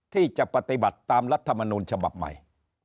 ที่จะปฏิบัติตามรัฐมนูลฉบับใหม่